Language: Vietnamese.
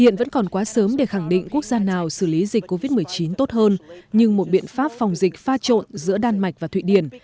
hiện vẫn còn quá sớm để khẳng định quốc gia nào xử lý dịch covid một mươi chín tốt hơn nhưng một biện pháp phòng dịch pha trộn giữa đan mạch và thụy điển